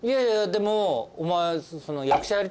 でもお前。